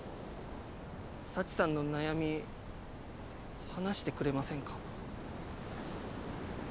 佐知さんの悩み話してくれませんか。